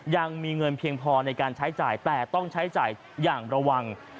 ยังมีเงินเพียงพอในการใช้จ่ายแต่ต้องใช้จ่ายอย่างระวัง